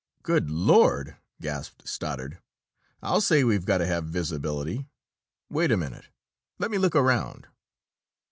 "Good Lord!" gasped Stoddard. "I'll say we've got to have visibility! Wait a minute! Let me look around!"